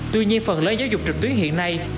tuy nhiên phần lớn giáo dục trực tuyến hiện nay